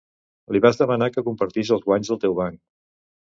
Li vas demanar que compartís els guanys del teu banc.